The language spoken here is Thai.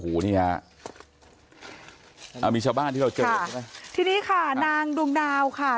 โอ้โหนี่ฮะอ่ามีชาวบ้านที่เราเจอใช่ไหมทีนี้ค่ะนางดวงดาวค่ะ